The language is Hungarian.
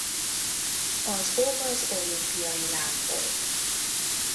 Az ok az olimpiai láng volt.